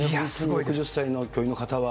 ６０歳の教員の方は。